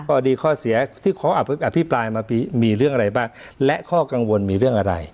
ข้อดีข้อเสียที่ขออภิปรายมามีเรื่องอะไรบ้างและข้อกังวลมีเรื่องอะไร